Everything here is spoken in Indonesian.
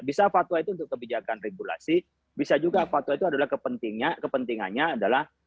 bisa fatwa itu untuk kebijakan regulasi bisa juga fatwa itu adalah kepentingannya adalah